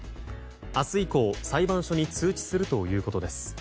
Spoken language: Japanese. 明日以降、裁判所に通知するということです。